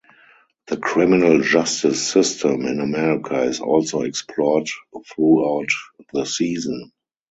The criminal justice system in America is also explored throughout the season.